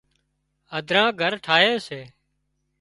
هڌران گھر ٺاهي سي